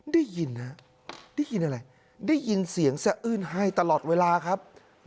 ได้ยินฮะได้ยินอะไรได้ยินเสียงสะอื้นให้ตลอดเวลาครับ